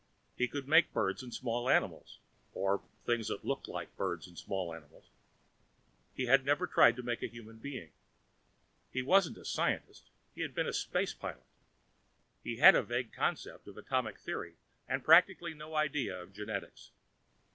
He could make birds and small animals, or things that looked like birds and small animals. He had never tried to make a human being. He wasn't a scientist; he had been a space pilot. He had a vague concept of atomic theory and practically no idea of genetics.